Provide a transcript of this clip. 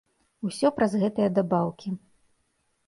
Усё праз гэтыя дабаўкі.